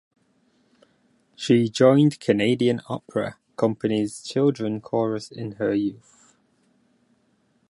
She joined Canadian Opera Company's children's chorus in her youth.